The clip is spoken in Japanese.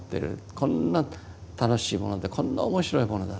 こんな楽しいものでこんな面白いものだと。